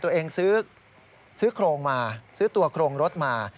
ตัวเองซื้อโครงมาซื้อตัวโครงรถมา